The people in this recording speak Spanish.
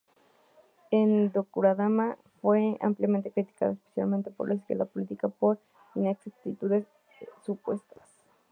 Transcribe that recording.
El docudrama fue ampliamente criticada, especialmente por la izquierda política, por sus inexactitudes supuestas.